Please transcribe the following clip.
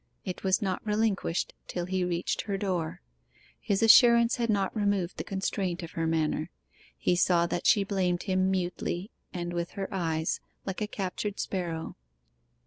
It was not relinquished till he reached her door. His assurance had not removed the constraint of her manner: he saw that she blamed him mutely and with her eyes, like a captured sparrow.